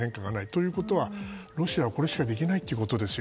ということは、ロシアはこれしかできないということです。